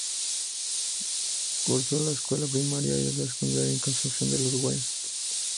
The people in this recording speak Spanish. Cursó la escuela primaria y secundaria en Concepción del Uruguay.